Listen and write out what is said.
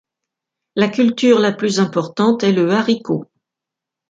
La culture la plus importante est le haricot.